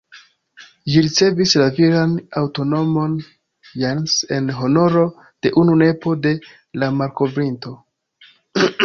Ĝi ricevis la viran antaŭnomon ""Jens"" en honoro de unu nepo de la malkovrinto.